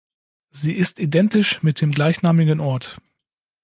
Sie ist identisch mit dem gleichnamigen Ort.